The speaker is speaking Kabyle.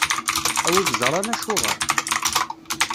A wi iẓṛan acuɣeṛ.